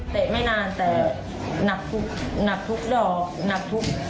ไม่นานแต่หนักทุกหนักทุกดอกหนักทุก